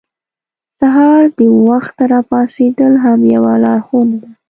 سهار د وخته راپاڅېدل هم یوه لارښوونه ده.